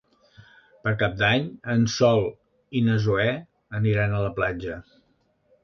Per Cap d'Any en Sol i na Zoè aniran a la platja.